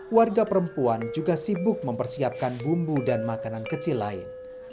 warga perempuan juga sibuk mempersiapkan bumbu dan makanan kecil lain